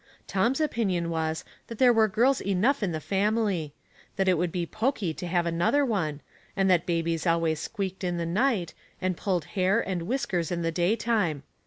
Tom's opinion was that there were girls enough in the family; that it would be poky to have another one, and that babies always squeaked in the night, and pulled hair and whiskers in the daytime.